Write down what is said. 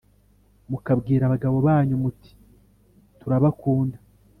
mukabwira abagabo banyu muti tura bakunda